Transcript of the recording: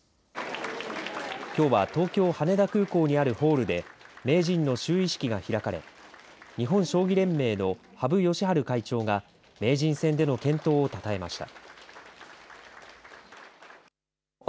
きょうは東京・羽田空港にあるホールで名人の就位式が開かれ日本将棋連盟の羽生善治会長が名人戦での健闘をたたえました。